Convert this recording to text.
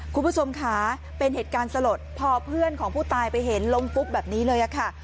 คุณผู้ชมค่ะเป็นเหตุการณ์สลดพอเพื่อนของผู้ตายไปเห็นล้มปุ๊บแบบนี้เลยค่ะ